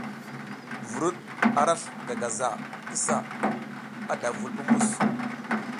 Vuruɗ arasl gagaza ki sa, ada vul pumbus.